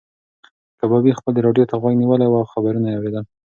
کبابي خپلې راډیو ته غوږ نیولی و او خبرونه یې اورېدل.